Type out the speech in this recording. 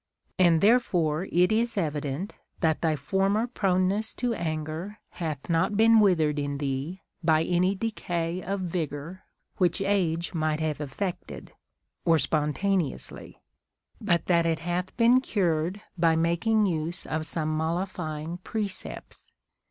And therefore it is evident that thy former 2:)roneness to anger hath not been withered in thee by any decay of vigor which age might have effected, or spontane ously ; but that it hath been cured by making use of some mollifying precepts.